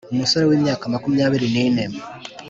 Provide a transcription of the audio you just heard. Uyu musore w’imyaka makumyabiri nine